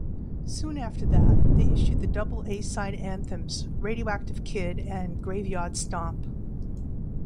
Soon after that, they issued the double A-side anthems "Radioactive Kid" and "Graveyard Stomp".